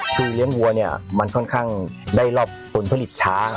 คือเลี้ยงวัวเนี่ยมันค่อนข้างได้รอบผลผลิตช้า